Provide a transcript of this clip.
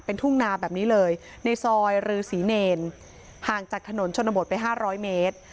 เป็นทุ่งนาแบบนี้เลยในซอยรือศรีเนรห่างจากถนนชนบทไป๕๐๐เมตร